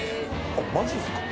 マジっすか。